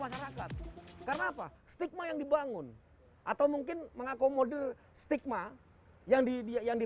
masyarakat karena apa stigma yang dibangun atau mungkin mengakomodir stigma yang di dia yang di